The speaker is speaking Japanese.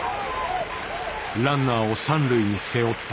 ランナーを３塁に背負った。